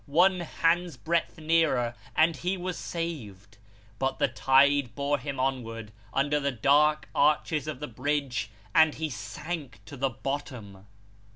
One hand's breadth nearer, and he was saved but the tide bore him onward, under the dark arches of the bridge, and he sank to the bottom.